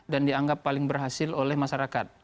dan dianggap paling berhasil oleh masyarakat